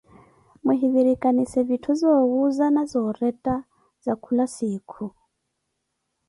Muhivirikanise vitthu za owuuza na za oretta za khula siikhu.